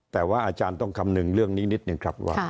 แต่ว่าอาจารย์ต้องคำนึงเรื่องนี้นิดนึงครับว่า